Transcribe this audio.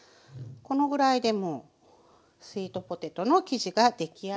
このぐらいでもうスイートポテトの生地が出来上がりです。